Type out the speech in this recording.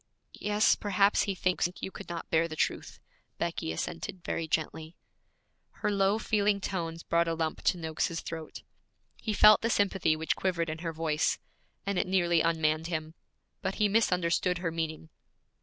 'Yes, perhaps he thinks you could not bear the truth,' Becky assented very gently. Her low, feeling tones brought a lump to Noakes's throat. He felt the sympathy which quivered in her voice, and it nearly unmanned him; but he misunderstood her meaning.